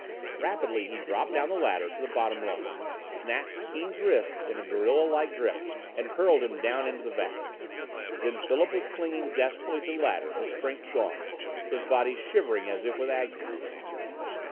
Rapidly he dropped down the ladder to the bottom rung, snatched Keane's wrist in a gorillalike grip, and hurled him down into the vat. Then Philip was clinging desperately to the ladder, his strength gone, his body shivering as if with ague.